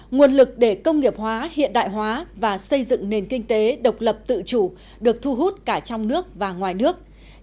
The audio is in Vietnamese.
nguồn lực để công nghiệp hóa hiện đại hóa và xây dựng nền kinh tế độc lập tự chủ được thu hút cả trong nước và ngoài nước